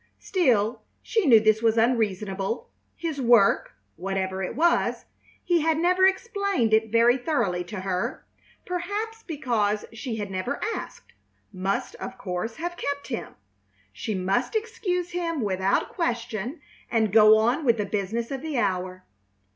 Still she knew this was unreasonable. His work, whatever it was he had never explained it very thoroughly to her, perhaps because she had never asked must, of course, have kept him. She must excuse him without question and go on with the business of the hour.